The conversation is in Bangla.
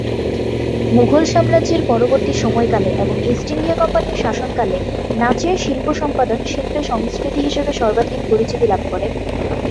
মুঘল সাম্রাজ্যের পরবর্তী সময়কালে এবং ইস্ট ইন্ডিয়া কোম্পানির শাসনকালে নাচের শিল্প সম্পাদন শিল্পের সংস্কৃতি হিসেবে সর্বাধিক পরিচিতি লাভ করে।